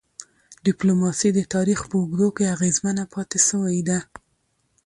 ډيپلوماسي د تاریخ په اوږدو کي اغېزمنه پاتې سوی ده.